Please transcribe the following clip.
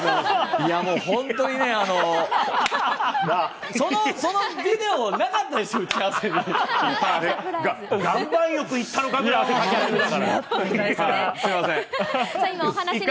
いや、もう本当にね、そのビデオなかったでしょ、打ち合わせに。